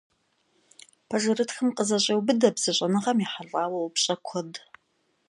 Пэжырытхэм къызэщӏеубыдэ бзэщӏэныгъэм ехьэлӏа упщӏэ куэд.